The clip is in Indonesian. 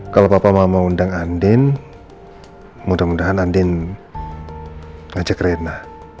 kalo papa mama undang andin mudah mudahan andin ngajak rena